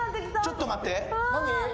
ちょっと待って。